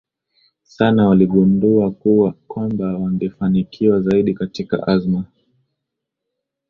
sana waligundua kwamba wangefanikiwa zaidi katika azma